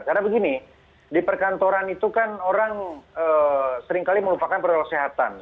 karena begini di perkantoran itu kan orang seringkali melupakan protokol kesehatan